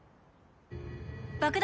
爆弾